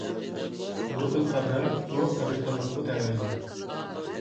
بۇ خىل قەبرە ئۇرۇق قەبرىستانلىقىغا تەۋە ئىدى.